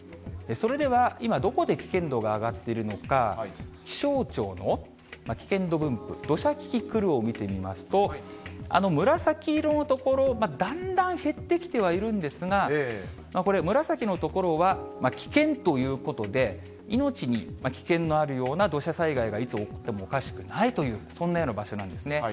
それでは今、どこで危険度が上がっているのか、気象庁の危険度分布、土砂キキクルを見てみますと、紫色の所、だんだん減ってきてはいるんですが、これ、紫の所は危険ということで、命に危険のあるような土砂災害がいつ起きてもおかしくないという、そんなような場所なんですね。